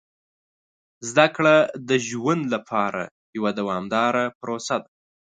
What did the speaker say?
زده کړه د ژوند لپاره یوه دوامداره پروسه ده.